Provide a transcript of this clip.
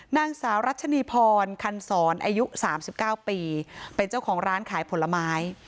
นางสาวรัชนีพรคันศรอายุ๓๙ปีเป็นเจ้าของร้านขายผลไม้